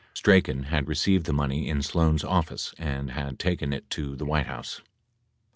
3 Strachan had received the money in Sloan's office and had taken it to the White House.